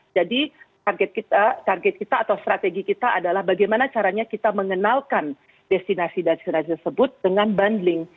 jadi target kita atau strategi kita adalah bagaimana caranya kita mengenalkan destinasi destinasi tersebut dengan bundling